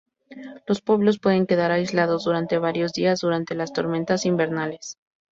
Los pueblos pueden quedar aislados durante varios días durante las tormentas invernales.